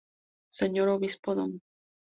Sr. Obispo Dn.